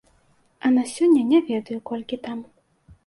А на сёння не ведаю, колькі там.